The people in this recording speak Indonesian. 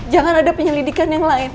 jangan ada penyelidikan yang lain